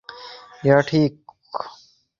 ইহা ঠিক একটি হ্রদে একখণ্ড প্রস্তর-নিক্ষেপের ন্যায়।